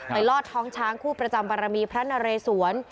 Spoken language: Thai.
ลอดท้องช้างคู่ประจำบารมีพระนเรศวร